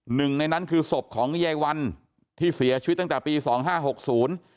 หนึ่งในนั้นคือศพของยายวันที่เสียชีวิตตั้งแต่ปีสองห้าหกศูนย์